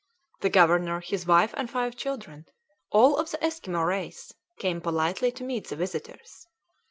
The governor, his wife, and five children, all of the Esquimaux race, came politely to meet the visitors.